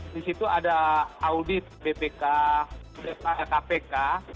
di situ ada audit bpk kpk